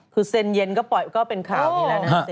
คือเซ็นเย็นก็ปล่อยก็เป็นข่าวนี้แล้วนะ